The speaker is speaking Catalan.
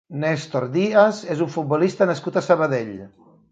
Néstor Díaz és un futbolista nascut a Sabadell.